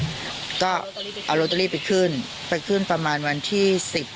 อันโรตอิไปขึ้นประมาณวันที่๑๗๑๘